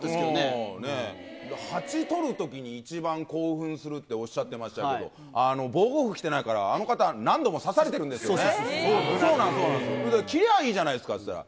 ハチ取るときに、一番興奮するっておっしゃってましたけど、防護服着てないから、あの方、何度も刺されてるんですよね。